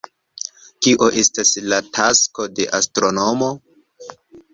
Kio estas la tasko de astronomo?